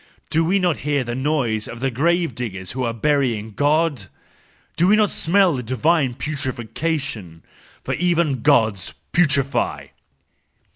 Do we not hear the noise of the grave diggers who are burying God ? Do we not smell the divine putrefaction? — for even Gods putrefy!